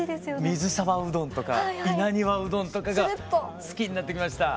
水沢うどんとか稲庭うどんとかが好きになってきました。